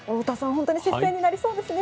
本当に接戦になりそうですね。